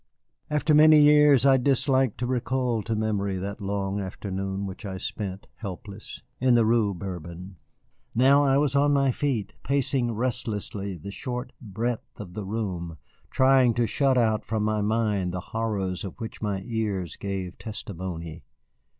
After many years I dislike to recall to memory that long afternoon which I spent, helpless, in the Rue Bourbon. Now I was on my feet, pacing restlessly the short breadth of the room, trying to shut out from my mind the horrors of which my ears gave testimony.